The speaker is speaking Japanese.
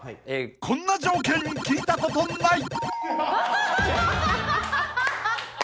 ［こんな条件聞いたことない！］